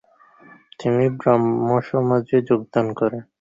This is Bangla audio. তিনি স্বাধীনতা আন্দোলনের থেকে সমাজ সংস্কারে অধিক গুরুত্ব আরোপ করতেন।